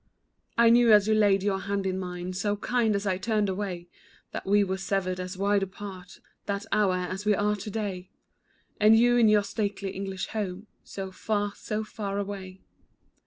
I knew as you laid your hand in mine, So kind as I turned away, That we were severed as wide apart, That hour, as we are to day, And you in your stately English home, So far, so far away.